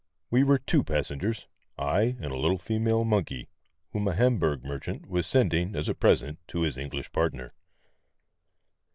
We were two passengers ; I and a little female monkey, whom a Hamburg merchant was sending as a present to his English partner.